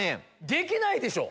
できないでしょ？